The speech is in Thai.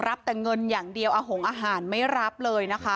รับแต่เงินอย่างเดียวอาหารหงอาหารไม่รับเลยนะคะ